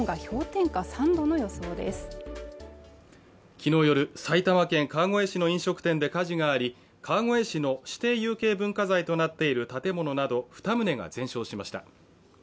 昨日夜埼玉県川越市の飲食店で火事があり川越市の指定有形文化財となっている建物など二棟が全焼しました